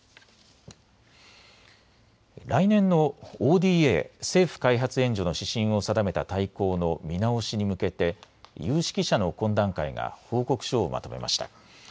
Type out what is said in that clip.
来年のＯＤＡ・政府開発援助の指針を定めた大綱の見直しに向けて有識者の懇談会が報告書をまとめました。